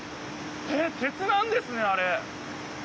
えっ鉄なんですねあれ。